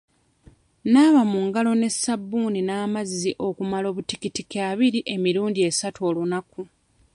Naaba mu ngalo ne ssabbuuni n'amazzi okumala obutikitiki abiri emirundi esatu olunaku.